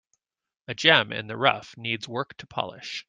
A gem in the rough needs work to polish.